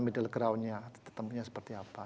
middle groundnya seperti apa